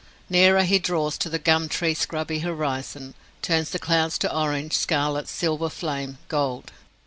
Nearer he draws to the gum tree scrubby horizon, turns the clouds to orange, scarlet, silver flame, gold!